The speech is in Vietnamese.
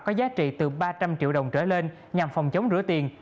có giá trị từ ba trăm linh triệu đồng trở lên nhằm phòng chống rửa tiền